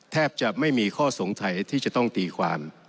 แทบจะไม่มีข้อสงสัยที่จะต้องตีความ